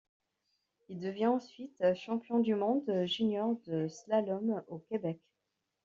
Il devient ensuite champion du monde junior de slalom au Québec.